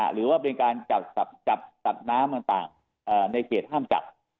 หรือว่าเป็นการจับสัตว์น้ำต่างในเขตห้ามจับ